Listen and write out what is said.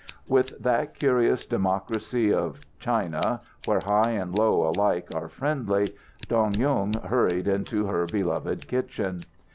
With that curious democracy of China, where high and low alike are friendly, Dong Yung hurried into her beloved kitchen.